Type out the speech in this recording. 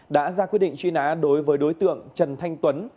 đã ra quyết định truy nã đối với đối tượng trần thanh tuấn